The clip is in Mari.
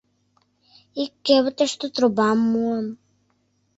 Ик кевытыште трубам муым.